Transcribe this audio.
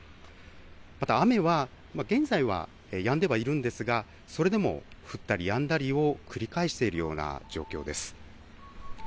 ただ、雨は現在はやんではいるんですが、それでも降ったりやんだりを繰り返しているような状況です。